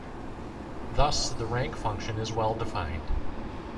Thus, the rank function is well defined.